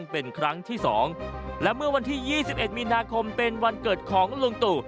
เป็นครั้งที่สองและเมื่อวันที่ยี่สิบเอ็ดมีนาคมเป็นวันเกิดของลุงตุ